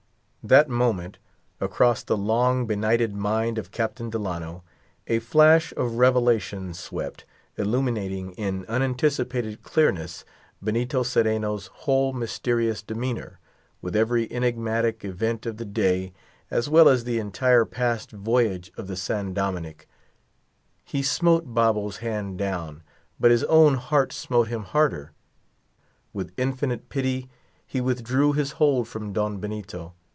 That moment, across the long benighted mind of Captain Delano, a flash of revelation swept, illuminating, in unanticipated clearness, his host's whole mysterious demeanor, with every enigmatic event of the day, as well as the entire past voyage of the San Dominick. He smote Babo's hand down, but his own heart smote him harder. With infinite pity he withdrew his hold from Don Benito.